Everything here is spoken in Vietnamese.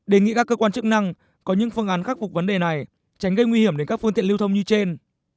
đề nghị các cơ quan chức năng có những phương án khắc phục vấn đề này tránh gây nguy hiểm đến các phương tiện lưu thông như trên